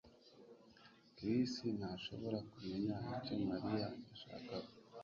Chris ntashobora kumenya icyo Mariya yashakaga